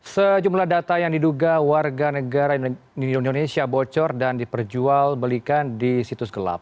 sejumlah data yang diduga warga negara indonesia bocor dan diperjual belikan di situs gelap